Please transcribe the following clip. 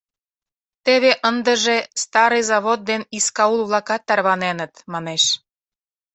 Теве ындыже Старый Завод ден Искаул-влакат тарваненыт, манеш.